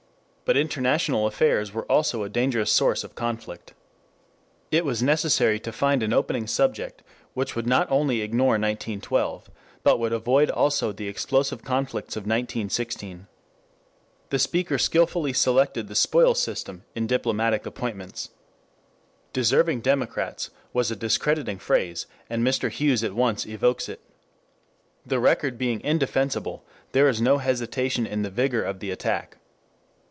But international affairs were also a dangerous source of conflict. It was necessary to find an opening subject which would not only ignore 1912 but would avoid also the explosive conflicts of 1916. The speaker skilfully selected the spoils system in diplomatic appointments. "Deserving Democrats" was a discrediting phrase, and Mr. Hughes at once evokes it. The record being indefensible, there is no hesitation in the vigor of the attack.